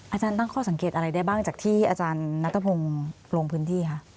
อาจารย์ตั้งข้อสังเกตอะไรได้บ้างจากที่อาจารย์นัทพงศ์ลงพื้นที่ค่ะ